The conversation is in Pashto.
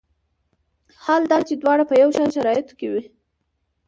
حال دا چې دواړه په یو شان شرایطو کې وي.